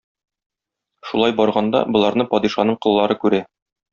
Шулай барганда, боларны падишаның коллары күрә.